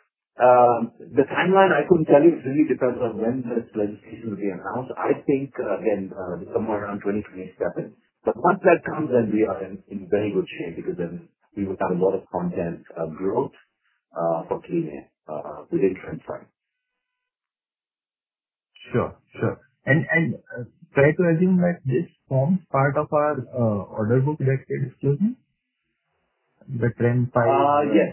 the timeline, I couldn't tell you, it really depends on when this legislation will be announced. I think, again, somewhere around 2027. But once that comes, then we are in very good shape because then we will have a lot of content growth for clean air within TREM V. Sure. Sure. And can I imagine that this forms part of our order book that you're discussing? The TREM V or RDE? Yes.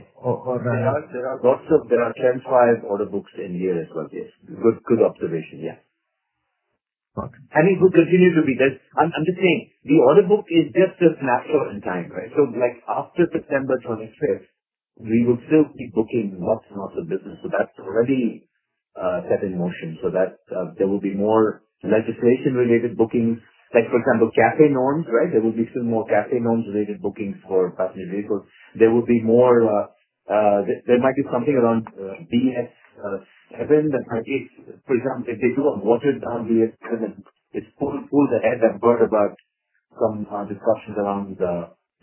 There are lots of TREM V order books in here as well. Yes. Good observation. Yeah. Got it. I mean, we'll continue to be there. I'm just saying the order book is just a snapshot in time, right? So after September 25th, we would still be booking lots and lots of business. So that's already set in motion. So there will be more legislation-related bookings. Like for example, CAFE norms, right? There will be still more CAFE norms-related bookings for passenger vehicles. There will be more there might be something around BS7. For example, if they do a watered-down BS7 and it's pulled ahead, I've heard about some discussions around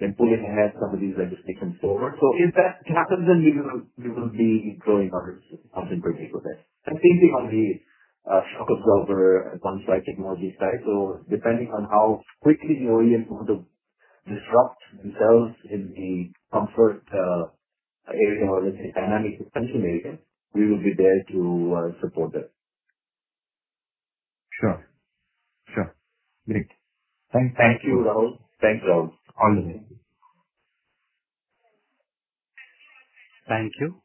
them pulling ahead some of these legislations forward. So if that happens, then we will be growing our content-related with it. And same thing on the shock absorber advanced-type technology side. So depending on how quickly the OEMs want to disrupt themselves in the comfort area or the dynamic suspension area, we will be there to support them. Sure. Sure. Great. Thanks. Thank you, Rahul. Thanks, Rahul. All the best. Thank you.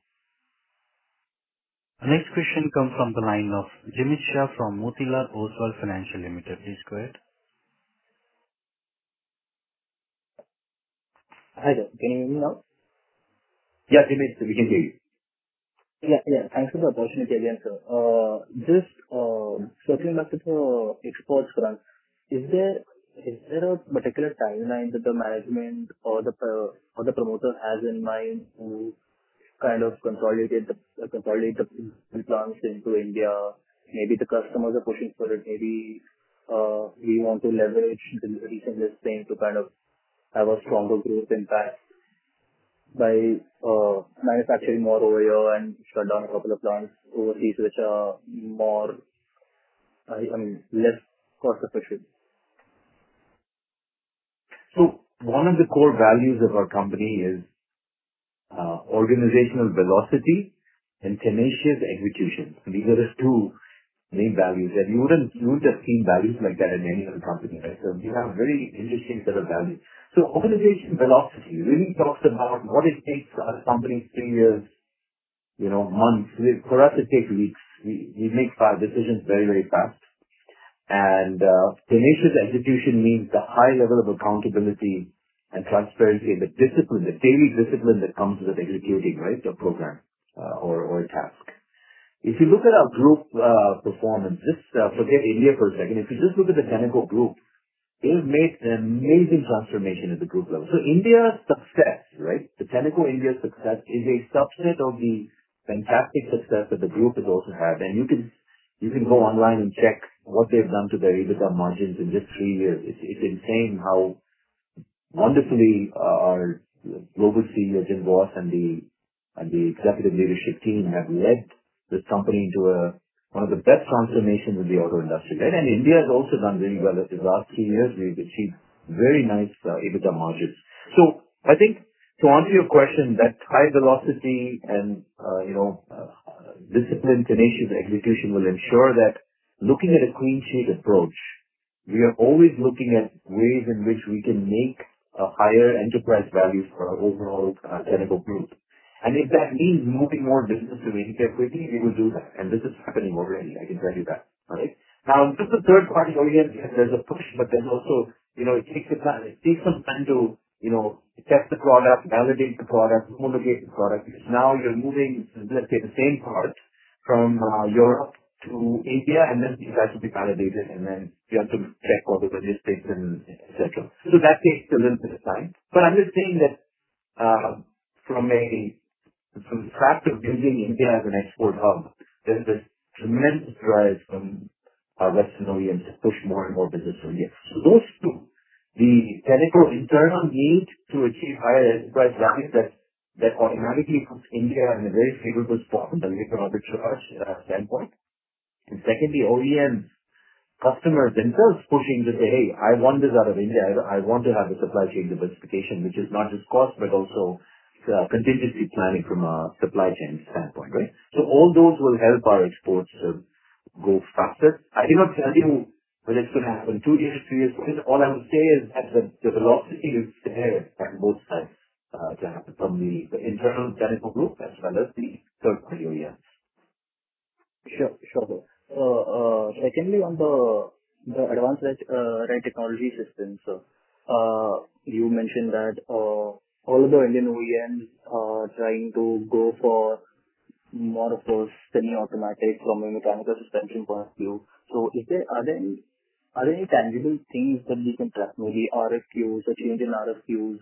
Our next question comes from the line of Jimmy Shah from Motilal Oswal Financial Services Limited. Please go ahead. Hi, sir. Can you hear me now? Yeah, Jimmy, we can hear you. Yeah. Yeah. Thanks for the opportunity again, sir. Just circling back to the exports front, is there a particular timeline that the management or the promoter has in mind to kind of consolidate the plants into India? Maybe the customers are pushing for it. Maybe we want to leverage the recent listing to kind of have a stronger growth impact by manufacturing more OEM and shut down a couple of plants overseas, which are less cost-efficient. One of the core values of our company is organizational velocity and tenacious execution. These are the two main values. And you wouldn't have seen values like that in any other company, right? So we have a very interesting set of values. So organizational velocity really talks about what it takes our company three years, months. For us, it takes weeks. We make decisions very, very fast. And tenacious execution means the high level of accountability and transparency and the discipline, the daily discipline that comes with executing, right, a program or a task. If you look at our group performance, just forget India for a second. If you just look at the Tenneco Group, they've made an amazing transformation at the group level. So India's success, right, the Tenneco India success is a subset of the fantastic success that the group has also had. And you can go online and check what they've done to their EBITDA margins in just three years. It's insane how wonderfully our Global CEO, Jim Voss, and the executive leadership team have led this company into one of the best transformations in the auto industry, right? And India has also done really well. In the last three years, we've achieved very nice EBITDA margins. So I think to answer your question, that high velocity and discipline, tenacious execution will ensure that looking at a clean sheet approach, we are always looking at ways in which we can make a higher enterprise value for our overall Tenneco Group. And if that means moving more business to India quickly, we will do that. And this is happening already. I can tell you that, right? Now, just the third-party audience, there's a push, but there's also it takes some time to test the product, validate the product, homologate the product. Now you're moving, let's say, the same product from Europe to India, and then it has to be validated, and then you have to check what the logistics and etc. So that takes a little bit of time. But I'm just saying that from a fact of using India as an export hub, there's this tremendous drive from Western OEMs to push more and more business to India. So those two, the Tenneco internal need to achieve higher enterprise value that automatically puts India in a very favorable spot from the labor and arbitrage standpoint and secondly, OEMs, customers themselves pushing to say, "Hey, I want this out of India. I want to have a supply chain diversification," which is not just cost, but also contingency planning from a supply chain standpoint, right? So all those will help our exports to go faster. I cannot tell you when it's going to happen, two years, three years. All I will say is that the velocity is there on both sides to happen from the internal Tenneco Group as well as the third-party OEMs. Sure. Sure. Secondly, on the advanced-type technology systems, sir, you mentioned that all of the Indian OEMs are trying to go for more of a semi-active from a mechanical suspension point of view. So are there any tangible things that we can track, maybe RFQs or change in RFQs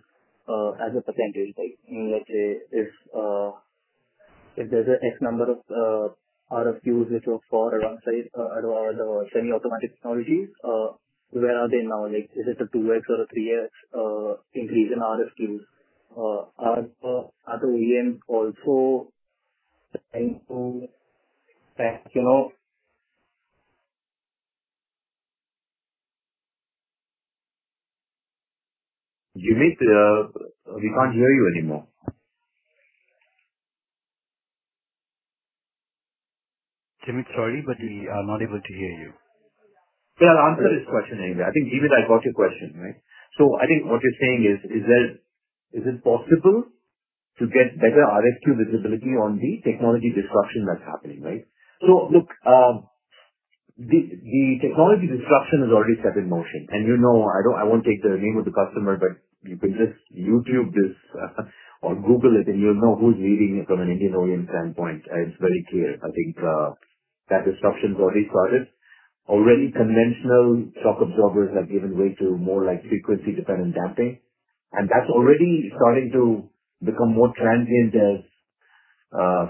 as a percentage, right? Let's say if there's an X number of RFQs which are for advanced-type semi-active technologies, where are they now? Is it a 2X or a 3X increase in RFQs? Are the OEMs also trying to track? Jimmy, we can't hear you anymore. Jimmy, sorry, but we are not able to hear you. I'll answer this question anyway. I think, Jimmy, I got your question, right? I think what you're saying is, is it possible to get better RFQ visibility on the technology disruption that's happening, right? Look, the technology disruption has already set in motion. I won't take the name of the customer, but you can just YouTube this or Google it, and you'll know who's leading it from an Indian OEM standpoint. It's very clear. I think that disruption has already started. Already, conventional shock absorbers have given way to more frequency-dependent damping. That's already starting to become more transient as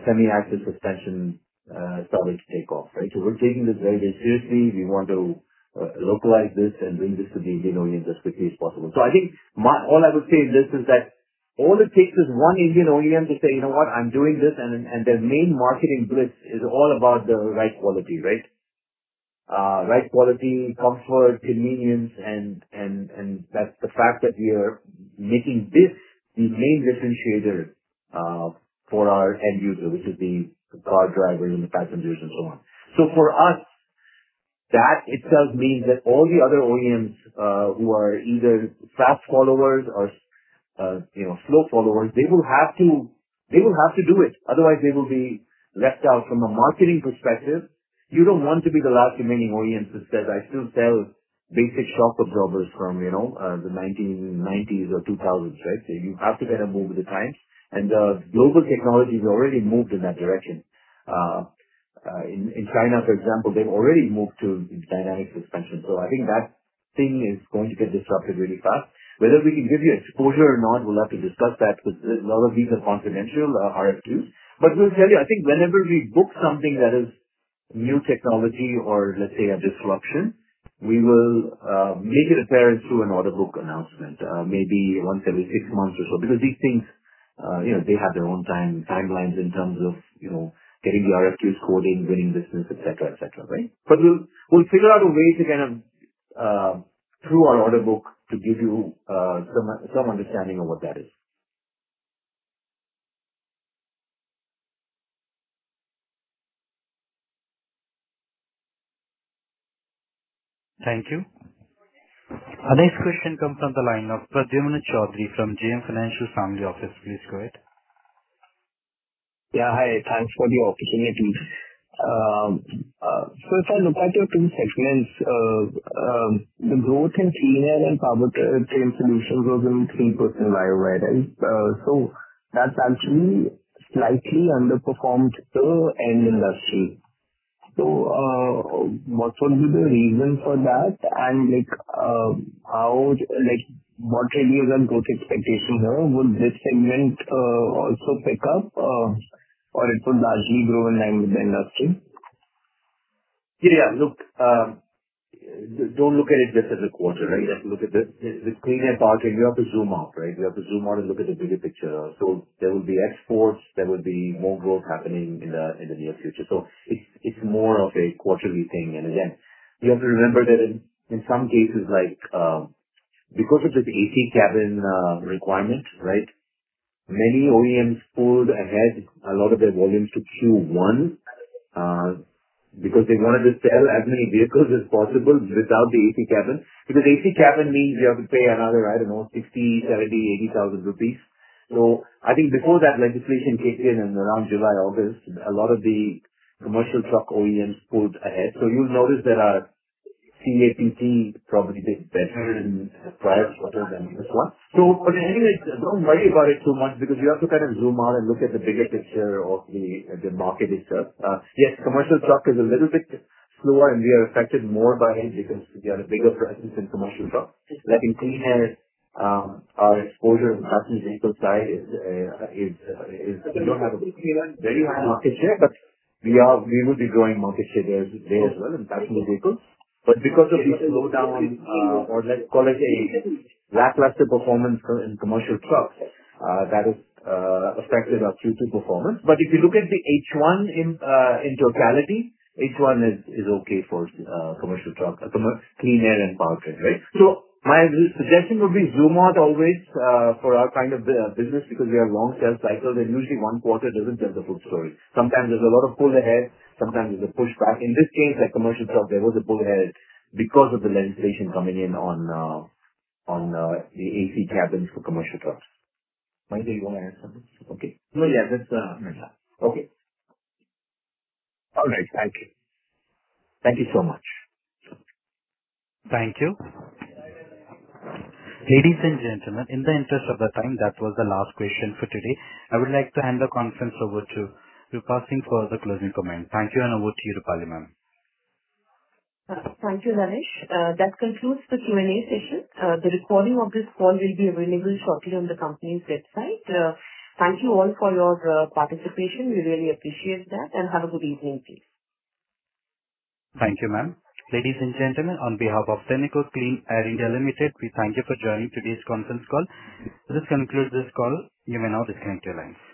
semi-active suspension started to take off, right? We're taking this very, very seriously. We want to localize this and bring this to the Indian OEMs as quickly as possible. So I think all I would say in this is that all it takes is one Indian OEM to say, "You know what? I'm doing this." And their main marketing this is all about the ride quality, right? Ride quality, comfort, convenience. And that's the fact that we are making this the main differentiator for our end user, which is the car drivers and the passengers and so on. So for us, that itself means that all the other OEMs who are either fast followers or slow followers, they will have to do it. Otherwise, they will be left out. From a marketing perspective, you don't want to be the last remaining OEM that says, "I still sell basic shock absorbers from the 1990s or 2000s," right? So you have to kind of move with the times. And the global technology has already moved in that direction. In China, for example, they've already moved to dynamic suspension. So I think that thing is going to get disrupted really fast. Whether we can give you exposure or not, we'll have to discuss that because a lot of these are confidential RFQs. But we'll tell you, I think whenever we book something that is new technology or, let's say, a disruption, we will make it appear through an order book announcement, maybe once every six months or so. Because these things, they have their own timelines in terms of getting the RFQs quoted, winning business, etc., etc., right? But we'll figure out a way to kind of, through our order book, to give you some understanding of what that is. Thank you. Our next question comes from the line of Pradyumna Choudhary from JM Financial's Family Office. Please go ahead. Yeah. Hi. Thanks for the opportunity. So if I look at your two segments, the growth in Clean Air and Powertrain Solutions was 3% below the industry. So that's actually slightly underperformed the industry. So what would be the reason for that? And what really is your growth expectation here? Would this segment also pick up, or it would largely grow in line with the industry? Yeah. Yeah. Look, don't look at it just as a quarter, right? Look at the clean air part. We have to zoom out, right? We have to zoom out and look at the bigger picture. So there will be exports. There will be more growth happening in the near future. So it's more of a quarterly thing. And again, you have to remember that in some cases, because of this AC cabin requirement, right, many OEMs pulled ahead a lot of their volumes to Q1 because they wanted to sell as many vehicles as possible without the AC cabin. Because AC cabin means you have to pay another, I don't know, 60,000, 70,000, 80,000. So I think before that legislation came in, around July, August, a lot of the commercial truck OEMs pulled ahead. So you'll notice that PAT probably did better in prior quarter than this one. So anyway, don't worry about it too much because you have to kind of zoom out and look at the bigger picture of the market itself. Yes, commercial truck is a little bit slower, and we are affected more by it because we are a bigger presence in commercial truck. But in clean air, our exposure on the passenger vehicle side is we don't have a very high market share, but we will be growing market share there as well in passenger vehicles. But because of the slowdown, or let's call it a lackluster performance in commercial trucks, that has affected our Q2 performance. But if you look at the H1 in totality, H1 is okay for commercial truck, clean air and power train, right? So my suggestion would be zoom out always for our kind of business because we have long sales cycles, and usually one quarter doesn't tell the full story. Sometimes there's a lot of pull ahead. Sometimes there's a pushback. In this case, at commercial truck, there was a pull ahead because of the legislation coming in on the AC cabins for commercial trucks. Mind if you want to add something? Okay. No, yeah, that's fine. Okay. All right. Thank you. Thank you so much. Thank you. Ladies and gentlemen, in the interest of the time, that was the last question for today. I would like to hand the conference over to you, passing for the closing comment. Thank you, and over to you, Rupali ma'am. Thank you, Danish. That concludes the Q&A session. The recording of this call will be available shortly on the company's website. Thank you all for your participation. We really appreciate that and have a good evening, please. Thank you, ma'am. Ladies and gentlemen, on behalf of Tenneco Clean Air India Limited, we thank you for joining today's conference call. This concludes this call. You may now disconnect your lines.